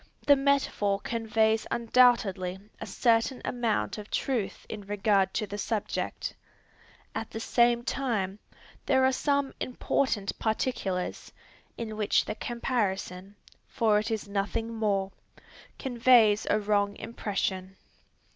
The metaphor conveys undoubtedly a certain amount of truth in regard to the subject. At the same time, there are some important particulars, in which the comparison, for it is nothing more, conveys a wrong impression.